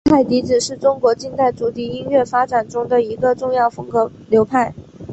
南派笛子是中国近代竹笛音乐发展中的一个重要风格流派。